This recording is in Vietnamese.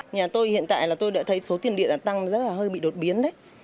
nhà tôi hiện tại là tôi đã thấy số tiền điện đã tăng rất là hơi bị đột biến đấy